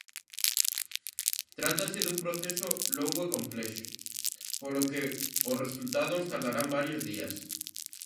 Trátase dun proceso "longo e complexo", polo que os resultados tardarán varios días.